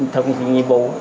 thực nhiệm nhiệm vụ